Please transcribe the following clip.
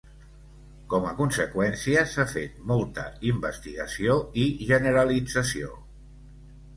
Com a conseqüència, s'ha fet molta investigació i generalització.